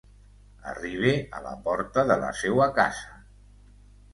Arribe a la porta de la seua casa.